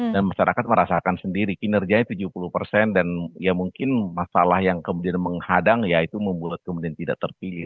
dan masyarakat merasakan sendiri kinerjanya tujuh puluh dan ya mungkin masalah yang kemudian menghadang ya itu membuat kemudian tidak terpilih